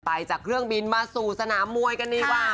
จากเครื่องบินมาสู่สนามมวยกันดีกว่า